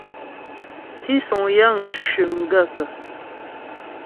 Tísuŋ yəŋ cʉ́ m gaə̂kə̀ ?